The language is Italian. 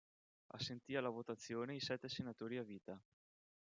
Assenti alla votazione i sette senatori a vita.